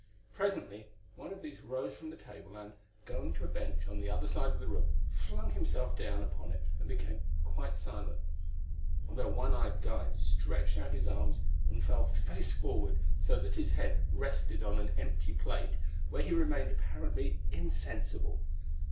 Presently one of these rose from the table and, going to a bench on the other side of the room, flung himself down upon it and became quite silent, while their one eyed guide stretched out his arms and fell face forward so that his head rested on an empty plate, where he remained apparently insensible.